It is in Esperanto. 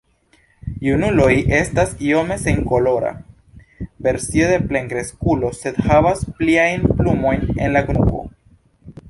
Junuloj estas iome senkolora versio de plenkreskulo sed havas pliajn plumojn en la nuko.